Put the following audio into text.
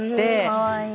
かわいい。